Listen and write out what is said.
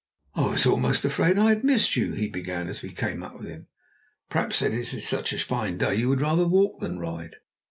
"I was almost afraid I had missed you," he began, as we came up with him. "Perhaps as it is such a fine day you would rather walk than ride?"